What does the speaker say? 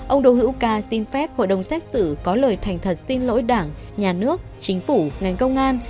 ông đỗ hữu ca xin phép hội đồng xét xử có lời thành thật xin lỗi đảng nhà nước chính phủ ngành công an